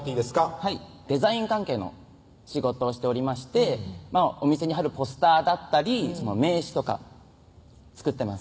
はいデザイン関係の仕事をしておりましてお店に貼るポスターだったり名刺とか作ってます